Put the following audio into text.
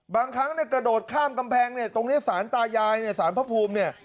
บางครั้งกระโดดข้ามกำแพงตรงนี้สารตายายสารพระภูมิ